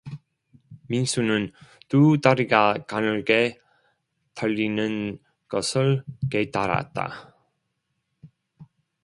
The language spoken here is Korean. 민수는 두 다리가 가늘게 떨리는 것을 깨달았다.